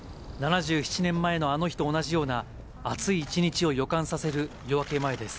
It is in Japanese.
７７年前のあの日と同じような、暑い一日を予感させる夜明け前です。